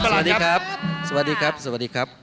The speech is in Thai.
สวัสดีครับสวัสดีครับสวัสดีครับ